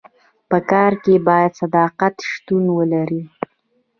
په کار کي باید صداقت شتون ولري.